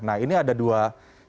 nah ini ada dua